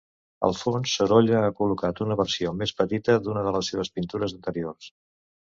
Al fons, Sorolla ha col·locat una versió més petita d'una de les seves pintures anteriors.